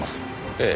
ええ。